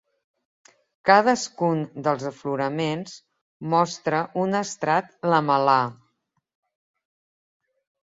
Cadascun dels afloraments mostra un estrat lamel·lar.